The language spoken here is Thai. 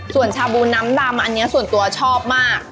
ส่วนชาบูน้ำดำอันนี้ส่วนตัวชอบมาก